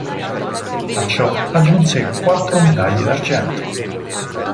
A ciò aggiunse quattro medaglie d'argento.